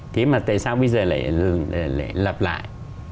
thế mà tại sao bây giờ lại lập lại